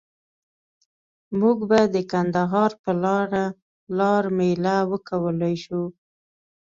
مونږ به د کندهار په لاره لار میله وکولای شو.